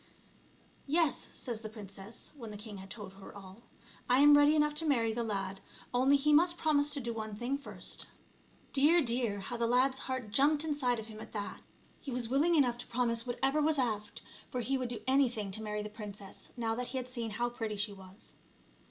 ." Yes," says the princess when the king had told her all. " I am ready enough to marry the lad, only he must promise to do one thing first." Dear, dear, how the lad's heart jumped inside of him at that. He was 94 ONE GOOD TURN DESERVES ANOTHER. willing enough to promise whatever was asked, for he would do anything to marry the princess, now that he had seen how pretty she was.